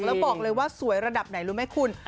แล้วบอกเลยว่าสวยระดับไหนรู้ไหมคุณ